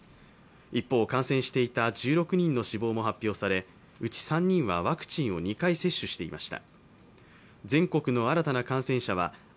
一方、感染していた１６人の死亡も発表されうち３人はワクチンを２回接種していました。